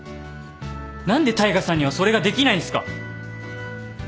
何で大海さんにはそれができないんすか？